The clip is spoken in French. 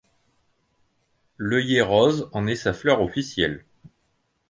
L'œillet rose en est sa fleur officielle.